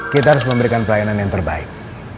kita harus memberikan pelayanan yang terbaik